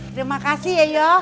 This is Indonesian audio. terima kasih yoyo